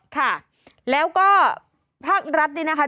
ค่ะแล้วก็ภาครัฐนี่นะคะ